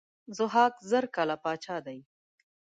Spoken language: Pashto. ضحاک زر کاله پاچا دی.